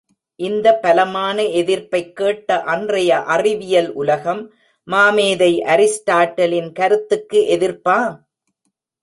இந்த பலமான எதிர்ப்பைக் கேட்ட அன்றைய அறிவியல் உலகம், மாமேதை அரிஸ்டாட்டில் கருத்துக்கு எதிர்ப்பா?